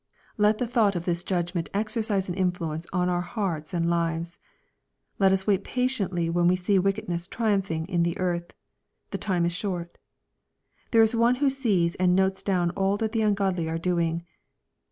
Let the thought of this judgment .exercise an influence on our hearts and lives. Let us wait patiently when we see wickedness triumphing in the earth. The time is short. There is one who sees and notes down all that the ungodly are doing.